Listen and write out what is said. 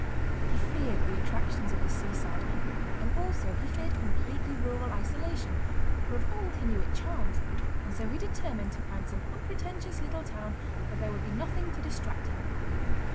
He feared the attractions of the seaside, and also he feared completely rural isolation, for of old he knew it charms, and so he determined to find some unpretentious little town where there would be nothing to distract him.